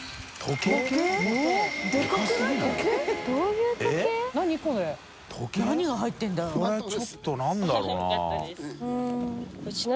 海ちょっと何だろうな？